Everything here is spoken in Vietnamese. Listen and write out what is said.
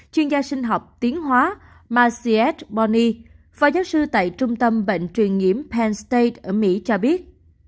chuyên gia sinh học tiến hóa marciette bonney phó giáo sư tại trung tâm bệnh truyền nghiễm penn state ở mỹ cho biết